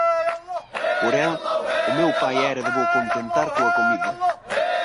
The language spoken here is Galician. Porén, o meu pai era de bo contentar coa comida